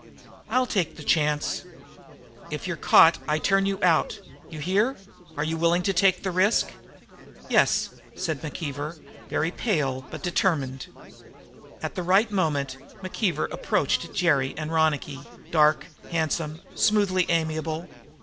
"I'll take the chance." "If you're caught I turn you out. You hear? Are you willing to take the risk?" "Yes," said McKeever, very pale, but determined. At the right moment McKeever approached Jerry and Ronicky, dark, handsome, smoothly amiable.